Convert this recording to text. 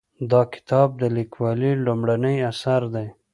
دا کتاب د لیکوالې لومړنی اثر دی